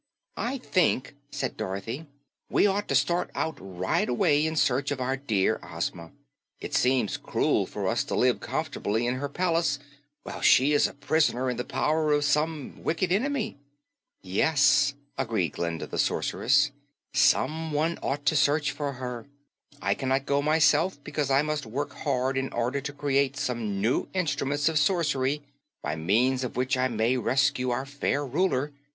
"I think," said Dorothy, "we ought to start out right away in search of our dear Ozma. It seems cruel for us to live comf'tably in her palace while she is a pris'ner in the power of some wicked enemy." "Yes," agreed Glinda the Sorceress, "someone ought to search for her. I cannot go myself, because I must work hard in order to create some new instruments of sorcery by means of which I may rescue our fair Ruler.